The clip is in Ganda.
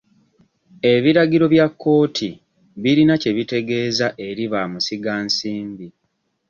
Ebiragiro bya kkooti birina kye bitegeeza eri bamusigansimbi.